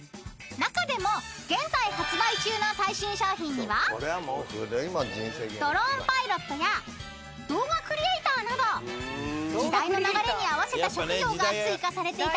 ［中でも現在発売中の最新商品にはドローンパイロットや動画クリエイターなど時代の流れに合わせた職業が追加されていたり］